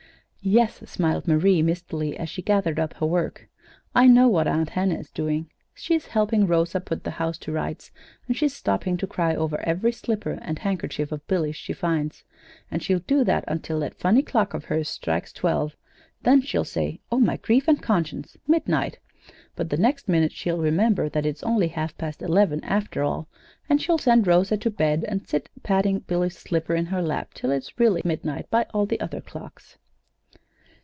"Yes," smiled Marie, mistily, as she gathered up her work. "I know what Aunt Hannah's doing. She's helping Rosa put the house to rights, and she's stopping to cry over every slipper and handkerchief of Billy's she finds. And she'll do that until that funny clock of hers strikes twelve, then she'll say 'Oh, my grief and conscience midnight!' But the next minute she'll remember that it's only half past eleven, after all, and she'll send Rosa to bed and sit patting Billy's slipper in her lap till it really is midnight by all the other clocks."